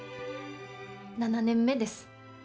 ７年目です。